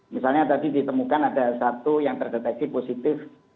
misalnya tadi ditemukan ada satu yang terdeteksi positif